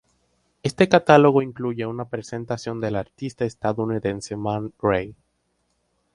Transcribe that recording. Este catálogo incluye una presentación del artista estadounidense Man Ray.